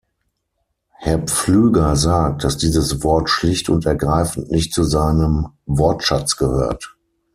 Herr Pflüger sagt, dass dieses Wort schlicht und ergreifend nicht zu seinem Wortschatz gehört.